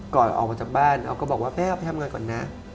ออกมาจากบ้านออฟก็บอกว่าแม่เอาไปทำงานก่อนนะ